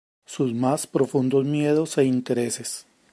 sus más profundos miedos e intereses